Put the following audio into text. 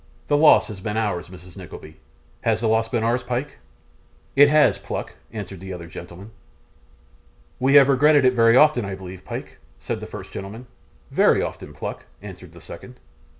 'The loss has been ours, Mrs Nickleby. Has the loss been ours, Pyke?' 'It has, Pluck,' answered the other gentleman. 'We have regretted it very often, I believe, Pyke?' said the first gentleman. 'Very often, Pluck,' answered the second.